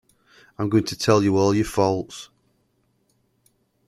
I’m going to tell you all your faults.